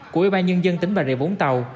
của ủy ban nhân dân tỉnh bà rịa vũng tàu